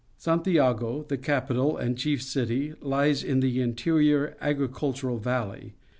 — Santiago, the capital and cliief city, lies in the interior agricultural valley.